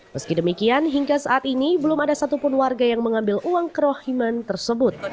meski demikian hingga saat ini belum ada satupun warga yang mengambil uang kerohiman tersebut